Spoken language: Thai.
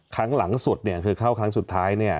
คลั้งหลังสุดคือเข้าครั้งสุดท้าย